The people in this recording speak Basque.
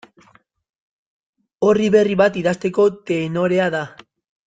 Orri berri bat idazteko tenorea da.